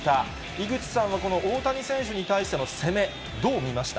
井口さんはこの大谷選手に対しての攻め、どう見ました？